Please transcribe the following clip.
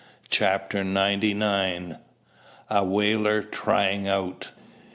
CHAPTER NINETY NINE. A WHALER "TRYING OUT."